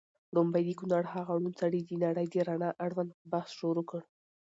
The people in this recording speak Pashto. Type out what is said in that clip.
ړومبی د کونړ هغه ړوند سړي د نړۍ د رڼا اړوند بحث شروع کړ